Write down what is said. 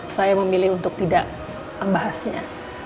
saya memilih untuk tidak membahasnya